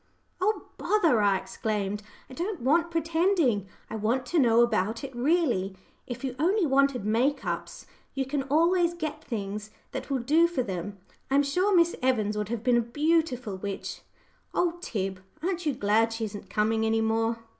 "Oh, bother!" I exclaimed, "I don't want pretending. I want to know about it really. If you only wanted make ups, you can always get things that will do for them. I am sure Miss Evans would have been a beautiful witch! Oh, Tib, aren't you glad she isn't coming any more?"